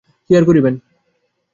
কী আর করিবেন।